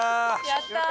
やったー！